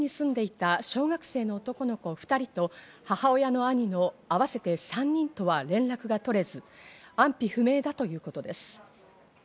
現在も、この家に住んでいた小学生の男の子２人と母親の兄の合わせて３人とは連絡が取れず、安否不明だということです。